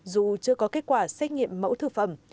dù chưa có kết quả xét nghiệm mẫu thực phẩm